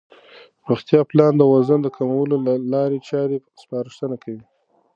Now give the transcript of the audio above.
روغتیا پالان د وزن د کمولو لارې چارې سپارښتنه کوي.